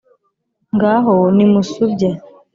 Ngaho nimusubye